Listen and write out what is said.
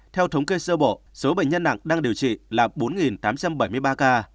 theo thống kê sơ bộ số bệnh nhân nặng đang điều trị là bốn tám trăm bảy mươi ba ca